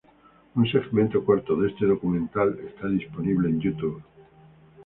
Un segmento corto de este documental está disponible en YouTube.